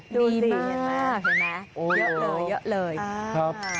ดีมากเห็นไหมเยอะเลยเยอะเลยครับ